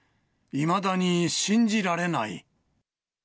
いまだに信じられない。